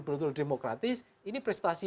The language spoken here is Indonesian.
beruntungnya demokratis ini prestasi